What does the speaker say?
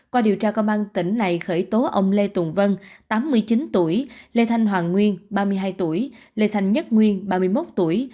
qua điều tra công an tỉnh này khởi tố ông lê tùng vân tám mươi chín tuổi lê thanh hoàng nguyên ba mươi hai tuổi lê thanh nhất nguyên ba mươi một tuổi